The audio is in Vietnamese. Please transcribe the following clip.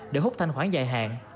để hút thanh khoản dài hạn